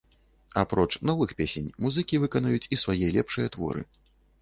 Апроч новых песень музыкі выканаюць і свае лепшыя творы.